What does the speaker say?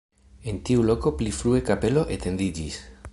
En tiu loko pli frue kapelo etendiĝis.